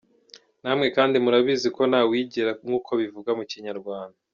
Namwe kandi murabizi ko “nta wigira” nk’uko bivugwa mu Kinyarwanda.